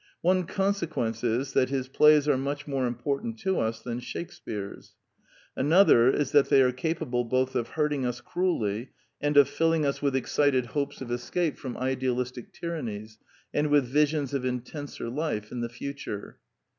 One consequence is that his plays are much more important to us than Shakespear's. Another is that they are capable both of hurting us cruelly and of filling us with excited hopes The Technical Novelty 231 of escape from idealistic tyrannies, and with visions of intenser life in the future.